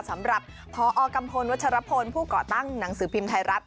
สำหรับพอกัมพลวัชรพลผู้ก่อตั้งหนังสือพิมพ์ไทยรัฐ